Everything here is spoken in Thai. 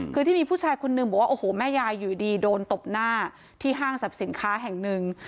คือที่มีผู้ชายคนนึงบอกว่าโอ้โหแม่ยายอยู่ดีโดนตบหน้าที่ห้างสรรพสินค้าแห่งหนึ่ง